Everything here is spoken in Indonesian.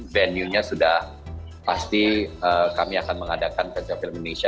venuenya sudah pasti kami akan mengadakan festival film indonesia